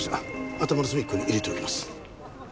頭の隅っこに入れておきます。